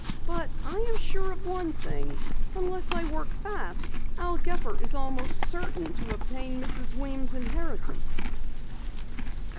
But I am sure of one thing. Unless I work fast, Al Gepper is almost certain to obtain Mrs. Weems' inheritance."